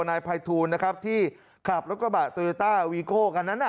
นายพายทูนนะครับที่ขับแล้วก็บัดโตโยต้าวีโก้กันนั้นน่ะ